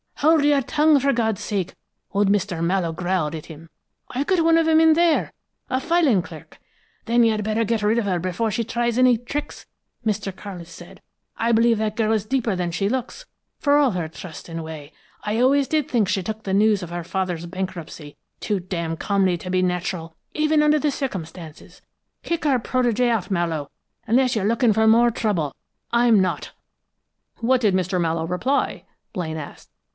"'Hold your tongue, for God's sake!' old Mr. Mallowe growled at him. 'I've got one of them in there, a filing clerk.'" "'Then you'd better get rid of her before she tries any tricks,' Mr. Carlis said. 'I believe that girl is deeper than she looks, for all her trusting way. I always did think she took the news of her father's bankruptcy too d n' calmly to be natural, even under the circumstances. Kick her protégée out, Mallowe, unless you're looking for more trouble. I'm not.'" "What did Mr. Mallowe reply?" Blaine asked.